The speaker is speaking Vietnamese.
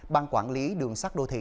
bang quản lý đường sát đô thị